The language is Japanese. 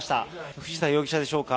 藤田容疑者でしょうか。